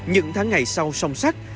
những tháng ngày sau song sách